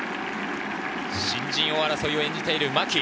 新人王争いを演じている牧。